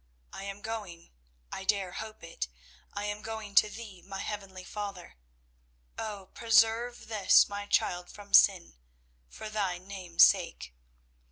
I am going I dare hope it I am going to Thee, my heavenly Father. Oh, preserve this my child from sin, for Thy Name's sake.